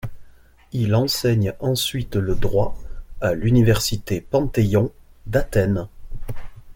Il enseigne ensuite le droit à l'université Panteion d'Athènes.